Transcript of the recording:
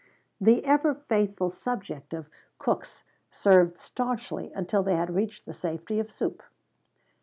The ever faithful subject of cooks served stanchly until they had reached the safety of soup.